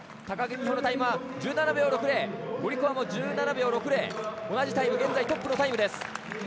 高木美帆のタイムは１７秒６０、ゴリコワも１７秒６０同じタイム、現在トップのタイムです。